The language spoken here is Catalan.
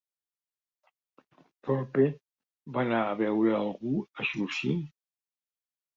Thorpe va anar a veure algú a Churchill?